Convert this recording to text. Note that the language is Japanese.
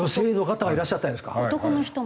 男の人も。